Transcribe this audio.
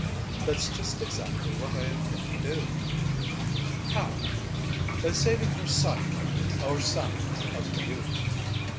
"That's just exactly what I intend to do." "How?" "By saving her sight or sound of you."